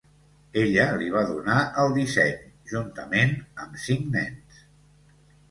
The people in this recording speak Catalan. Ella li va donar el disseny, juntament amb cinc nens.